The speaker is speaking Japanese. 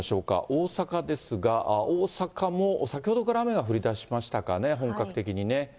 大阪ですが、大阪も先ほどから雨が降りだしましたかね、本格的にね。